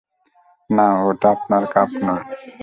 না, ওটা আপনার কাপ নয়!